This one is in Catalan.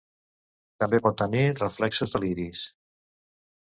També pot tenir reflexos de l'iris.